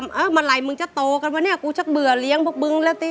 เมื่อไหร่มึงจะโตกันวะเนี่ยกูชักเบื่อเลี้ยงพวกมึงแล้วสิ